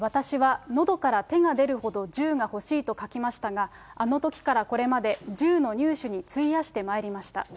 私はのどから手が出るほど銃が欲しいと書きましたが、あのときからこれまで銃の入手に費やしてまいりました。